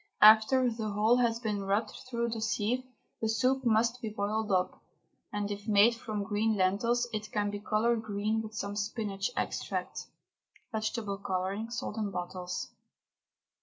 After the whole has been rubbed through the sieve the soup must be boiled up, and if made from green lentils it can be coloured green with some spinach extract (vegetable colouring, sold in bottles).